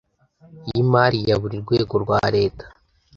y imari ya buri rwego rwa Leta